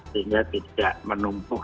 sehingga tidak menumpuk